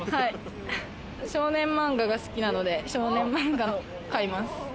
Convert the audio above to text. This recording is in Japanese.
少年漫画が好きなので、少年漫画も買います。